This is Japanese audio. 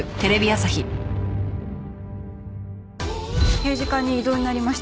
刑事課に異動になりました